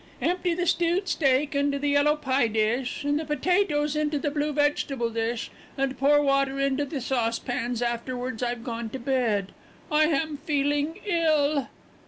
Empty the stewed steak into the yellow pie dish and the potatoes into the blue vegetable dish and pour water into the saucepans afterwards I've gone to bed I am feeling ill.